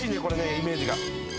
これねイメージが。